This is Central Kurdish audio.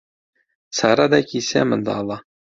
سارا دایکی سێ منداڵە.